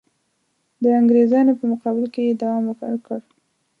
د انګرېزانو په مقابل کې یې دوام ورکړ.